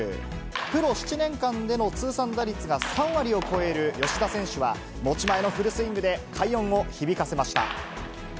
プロ７年間での通算打率が３割を超える吉田選手は、持ち前のフルスイングで、快音を響かせました。